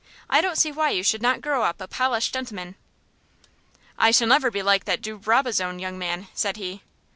I don't see why you should not grow up a polished gentleman." "I shall never be like that de Brabazon young man," said he.